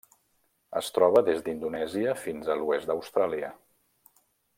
Es troba des d'Indonèsia fins a l'oest d'Austràlia.